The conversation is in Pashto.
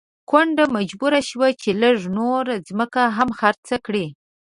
کونډه مجبوره شوه چې لږه نوره ځمکه هم خرڅه کړي.